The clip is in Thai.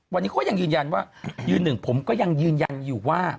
วันนี้เขาก็ยังยืนยันว่ายืนหนึ่งผมก็ยังยืนยันอยู่ว่า